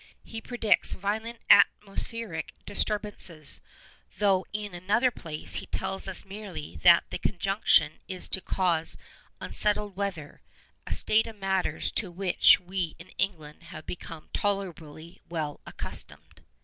He predicts violent atmospheric disturbances; though in another place he tells us merely that the conjunction is to cause 'unsettled weather,' a state of matters to which we in England have become tolerably well accustomed.